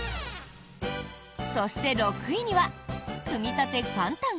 そして６位には、組み立て簡単！